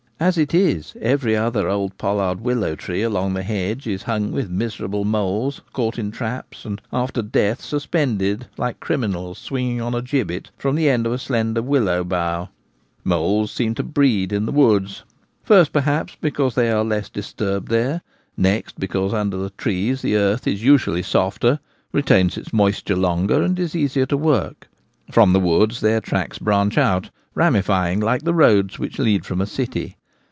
As it is, every other old pollard willow tree along the hedge is hung with miserable moles, caught in traps, and after death suspended — like criminals swinging on a gibbet — from the end of slender willow boughs. Moles seem to breed in the woods : first perhaps because they are less disturbed there, next because under the trees the earth is usually softer, retains its moisture longer, and is easier to work. From the woods their tracks branch out, ramifying like the roads which lead from a city.